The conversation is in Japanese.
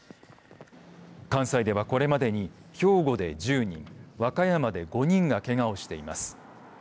関西では、これまでに兵庫で１０人、和歌山で５人がけがをしています。